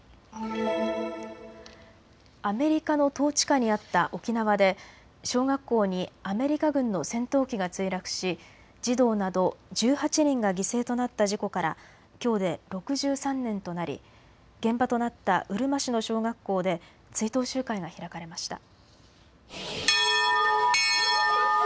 アメリカの統治下にあった沖縄で小学校にアメリカ軍の戦闘機が墜落し児童など１８人が犠牲となった事故からきょうで６３年となり現場となったうるま市の小学校で追悼集会が開かれました。